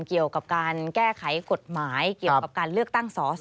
เกี่ยวกับการแก้ไขกฎหมายเกี่ยวกับการเลือกตั้งสอสอ